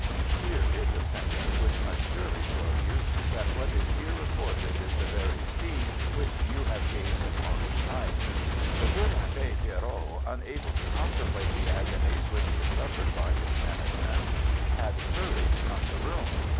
"Here is a sentence which must surely show you that what is here recorded is the very scene which you have gazed upon to night: 'The good Abbé Pirot, unable to contemplate the agonies which were suffered by his penitent, had hurried from the room.